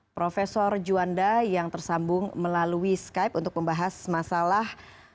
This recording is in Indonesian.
profesor juanda yang tersambung melalui skype untuk membahas masalah